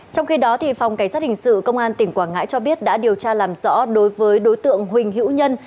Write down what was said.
trong khi đó phòng cảnh sát hình sự công an tỉnh quảng ngãi cho biết đã điều tra làm rõ đối với đối tượng huỳnh hữu nhân